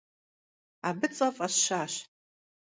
Абы цӏэ фӀэсщащ.